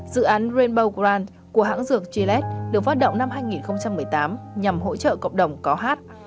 dự án rainbow grand của hãng dược gillet được phát động năm hai nghìn một mươi tám nhằm hỗ trợ cộng đồng có hát